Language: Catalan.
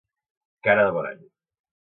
Cara de bon any.